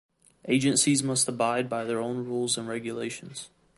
Agencies must abide by their own rules and regulations.